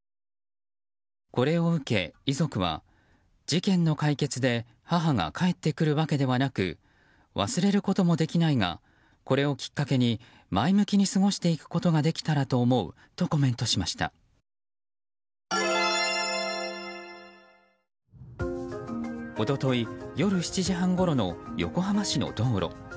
これを受け遺族は、事件の解決で母が帰ってくるわけではなく忘れることもできないがこれをきっかけに前向きに過ごしていけたらと思うと一昨日、夜７時半ごろの横浜市の道路。